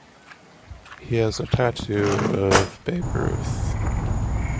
He has a tattoo of Babe Ruth.